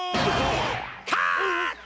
カット！